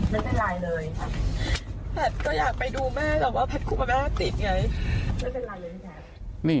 แพทก็อยากไปดูแม่เอาว่าคุณแม่จ็ดลืมไง